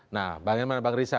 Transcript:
nah bagaimana bang riza